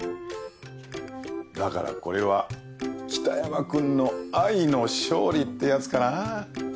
だからこれは北山君の愛の勝利ってやつかな。